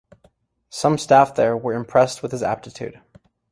Some staff there were impressed with his aptitude.